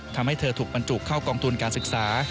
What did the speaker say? ทำให้เธอถูกบรรจุเข้ากองทุนการศึกษา